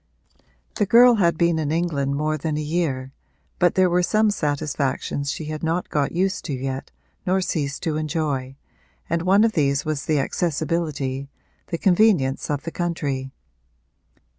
The girl had been in England more than a year, but there were some satisfactions she had not got used to yet nor ceased to enjoy, and one of these was the accessibility, the convenience of the country.